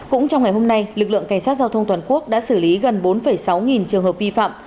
cũng trong ngày hôm nay lực lượng cảnh sát giao thông toàn quốc đã xử lý gần bốn sáu nghìn trường hợp vi phạm